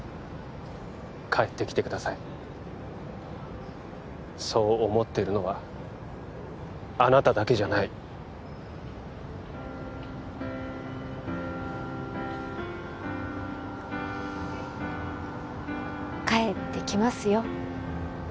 帰ってきてくださいそう思ってるのはあなただけじゃない帰ってきますよ